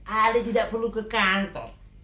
ali tidak perlu ke kantor